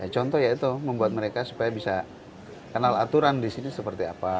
contoh yaitu membuat mereka supaya bisa kenal aturan di sini seperti apa